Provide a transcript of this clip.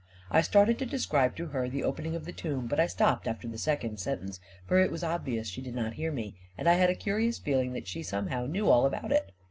I started to describe to her the opening of the tomb, but I stopped after the second sentence, for it was obvious she did not hear me, and I had a curious feeling that she somehow knew all about it.